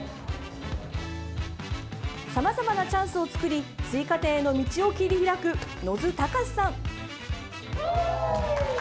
さまざまなチャンスを作り追加点への道を切り開く野津崇さん。